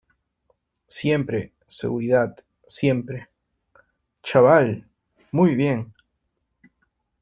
siempre, seguridad , siempre. chaval , muy bien .